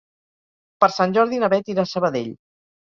Per Sant Jordi na Beth irà a Sabadell.